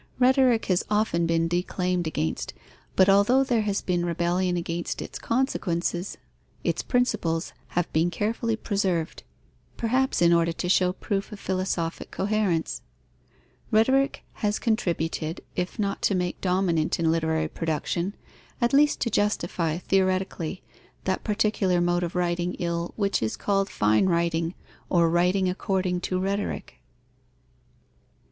Rhetoric has often been declaimed against, but although there has been rebellion against its consequences, its principles have been carefully preserved, perhaps in order to show proof of philosophic coherence. Rhetoric has contributed, if not to make dominant in literary production, at least to justify theoretically, that particular mode of writing ill which is called fine writing or writing according to rhetoric.